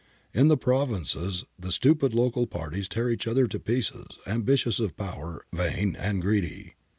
... In the provinces the stupid local parties tear each other to pieces, ambitious of power, vain and greedy.